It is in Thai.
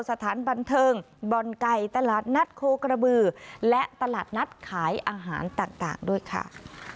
สถานบันเทิงบ่อนไก่ตลาดนัดโคกระบือและตลาดนัดขายอาหารต่างด้วยค่ะ